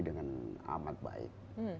dengan amat baik